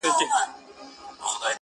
چي څه باندي یوه لسیزه مخکي پنځول سوي